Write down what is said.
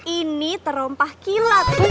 ini terompak kilat